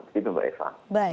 begitu mbak eva